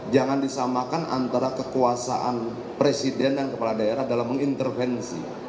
jangan disamakan antara kekuasaan presiden dan kepala daerah dalam mengintervensi